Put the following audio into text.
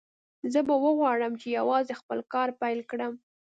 زه به وغواړم چې یوازې خپل کار پیل کړم